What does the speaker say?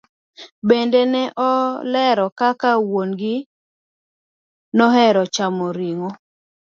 Bende ne olero kaka wuon gi nohero chamo ring'o.